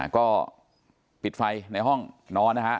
ก็ปิดไฟในห้องนอนนะฮะ